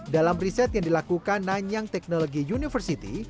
dalam riset yang dilakukan nanyang technology university